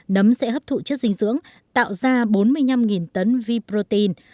nấm sẽ hấp thụ chất dinh dưỡng tạo ra bốn mươi năm tấn v protein